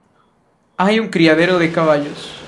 Hay un criadero de caballos.